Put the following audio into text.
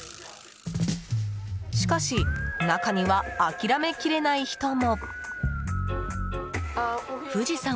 しかし、中には諦めきれない人も。